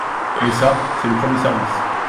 Mais ça, c'est le premier service.